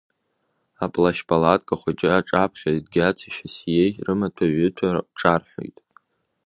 Аплашьпалатка хәыҷы аҿаԥхьа Едгьаци Шьасиеи рымаҭәа-ҩыҭәа ҿарҳәоит.